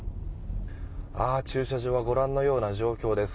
駐車場はご覧のような状況です。